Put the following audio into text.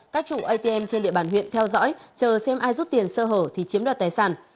các chủ atm trên địa bàn huyện theo dõi chờ xem ai rút tiền sơ hở thì chiếm đoạt tài sản